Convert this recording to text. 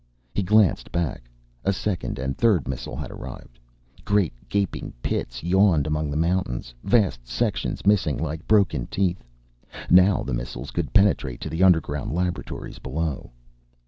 He glanced back. A second and third missile had arrived. Great gaping pits yawned among the mountains, vast sections missing like broken teeth. Now the missiles could penetrate to the underground laboratories below.